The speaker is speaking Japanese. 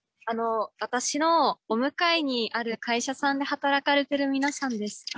あの私のお向かいにある会社さんで働かれてる皆さんです。